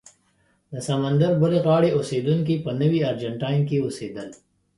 د سمندر بلې غاړې اوسېدونکي په نوي ارجنټاین کې اوسېدل.